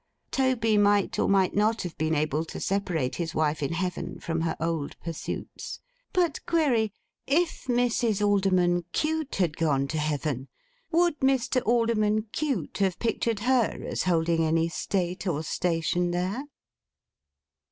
Toby might or might not have been able to separate his wife in Heaven from her old pursuits. But query: If Mrs. Alderman Cute had gone to Heaven, would Mr. Alderman Cute have pictured her as holding any state or station there?